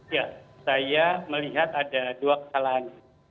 ya saya melihat ada dua kesalahan